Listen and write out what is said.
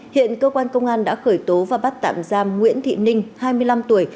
hiện cơ quan công an đã khởi tố và bắt tạm giam nguyễn thị ninh hai mươi năm tuổi